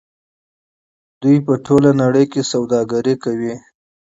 دوی په ټوله نړۍ کې پانګونه کوي.